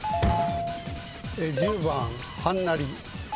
１０番はんなり。